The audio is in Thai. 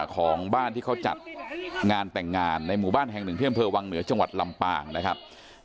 ของบ้านที่เขาจัดงานแต่งงานในหมู่บ้านแห่งหนึ่งที่อำเภอวังเหนือจังหวัดลำปางนะครับ